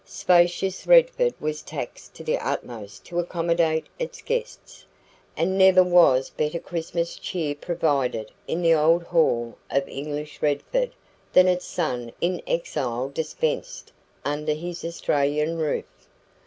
Spacious Redford was taxed to the utmost to accommodate its guests, and never was better Christmas cheer provided in the old hall of English Redford than its son in exile dispensed under his Australian roof.